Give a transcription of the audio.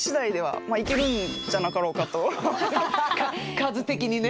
数的にね。